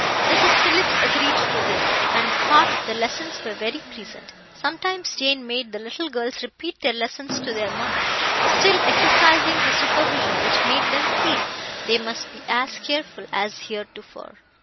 Mrs. Phillips agreed to this, and thought the lessons were very pleasant. Sometimes Jane made the little girls repeat their lessons to their mamma, still exercising the supervision which made them feel they must be as careful as heretofore.